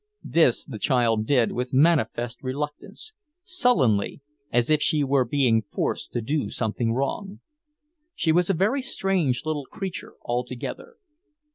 This the child did with manifest reluctance, sullenly, as if she were being forced to do something wrong. She was a very strange little creature, altogether.